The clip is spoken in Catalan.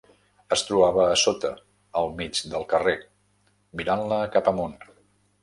Es trobava a sota, al mig del carrer, mirant-la cap amunt.